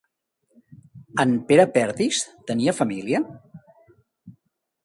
En Pere Perdis tenia família?